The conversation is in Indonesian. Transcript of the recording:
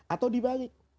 atau di balik